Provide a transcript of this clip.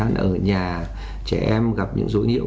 trong thời gian ở nhà trẻ em gặp những dối nhiễu